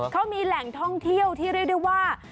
เขามีแหล่งท่องเที่ยวที่เรียกได้ว่า